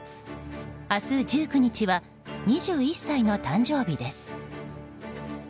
明日１９日は２１歳の誕生日です。